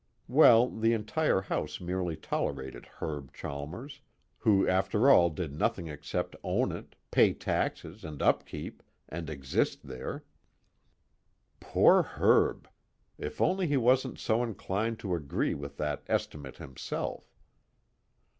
Well, the entire house merely tolerated Herb Chalmers, who after all did nothing except own it, pay taxes and upkeep, and exist there. _Poor Herb! If only he wasn't so inclined to agree with that estimate himself!